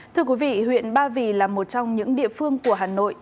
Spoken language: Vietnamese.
thưa quý vị huyện ba vì là một trong những địa phương của hà nội